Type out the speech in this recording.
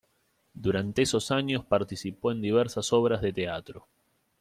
Durante esos años participó en diversas obras de teatro.